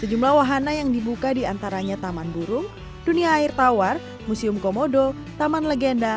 sejumlah wahana yang dibuka diantaranya taman burung dunia air tawar museum komodo taman legenda